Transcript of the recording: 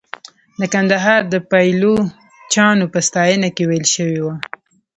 د کندهار د پایلوچانو په ستاینه کې ویل شوې وه.